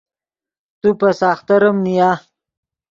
تو پے ساختریم نیا